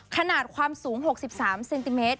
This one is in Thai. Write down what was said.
ขนาดความสูง๖๓เซนติเมตร